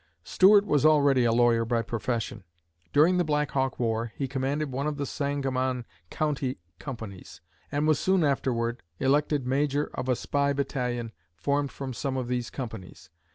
Stuart was already a lawyer by profession. During the Black Hawk War he commanded one of the Sangamon County companies, and was soon afterward elected major of a spy battalion formed from some of these companies.